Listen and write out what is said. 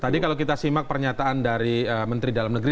tadi kalau kita simak pernyataan dari menteri dalam negeri